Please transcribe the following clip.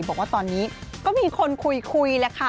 บอกว่าตอนนี้ก็มีคนคุยแหละค่ะ